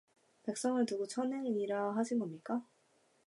백성을 두고 천행이라 하신 겁니까?